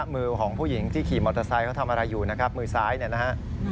มือของผู้หญิงที่ขี่มอเตอร์ไซค์เขาทำอะไรอยู่นะครับมือซ้ายเนี่ยนะฮะ